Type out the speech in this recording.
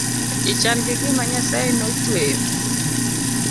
Bende i chal gi gima nyasaye no chweyo